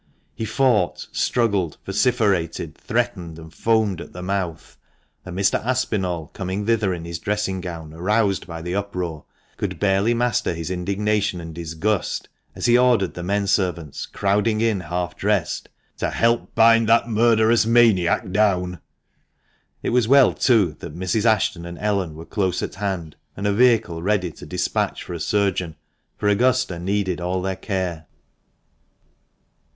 He fought, struggled, vociferated, threatened, and foamed at the mouth ; and Mr. Aspinall, coming thither in his dressing gown, aroused by the uproar, could barely master his indignation and disgust as he ordered the men servants, crowding in half dressed, to " help to bind that murderous maniac down !" It was well, too, that Mrs. Ashton and Ellen were close at hand, and a vehicle ready to despatch for a surgeon, for Augusta needed all their care.